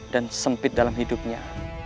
dan sempit dalam hidupnya